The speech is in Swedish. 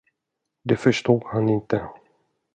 Det förstod han inte.